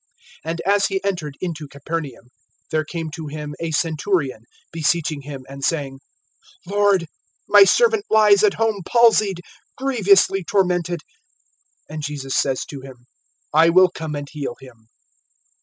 (5)And as he entered into Capernaum, there came to him a centurion, beseeching him, (6)and saying: Lord, my servant lies at home palsied, grievously tormented. (7)And Jesus says to him: I will come and heal him.